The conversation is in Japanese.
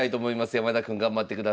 山田君頑張ってください。